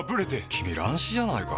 君乱視じゃないか？